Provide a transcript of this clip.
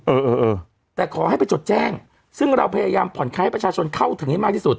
เออเออแต่ขอให้ไปจดแจ้งซึ่งเราพยายามผ่อนคลายให้ประชาชนเข้าถึงให้มากที่สุด